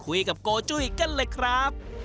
คุยกับโกจุ้ยกันเลยครับ